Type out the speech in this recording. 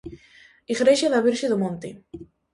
Igrexa da Virxe do Monte.